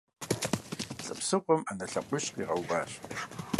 ЛӀы псыгъуэм Ӏэнэ лъакъуищ къигъэуващ.